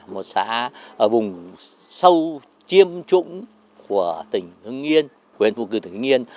một xã ở vùng sâu chiêm trụng của tỉnh hưng yên huyện phu cừ tỉnh hưng yên